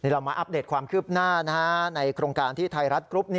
เรามาอัปเดตความคืบหน้าในโครงการที่ไทยรัฐกรุ๊ป